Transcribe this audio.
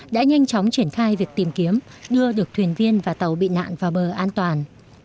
đã nhanh chóng triển khai việc tìm kiếm đưa được thuyền viên và tàu bị nạn vào bờ an toàn